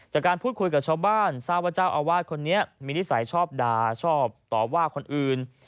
จากการพูดคุยกับชาวบ้านทราบว่าเจ้าอาวาสคนนี้มีนิสัยชอบด่าชอบต่อว่าคนอื่น